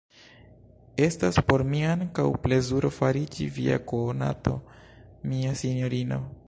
Estas por mi ankaŭ plezuro fariĝi via konato, mia sinjorino!